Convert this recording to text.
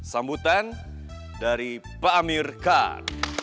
sambutan dari pak amir khan